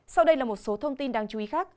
sau đây là một số thông tin đáng chú ý khác